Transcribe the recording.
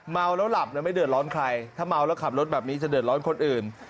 เมาแล้วหลับไม่เดือดร้อนใครถ้าเมาแล้วขับรถแบบนี้จะเดือดร้อนคนอื่น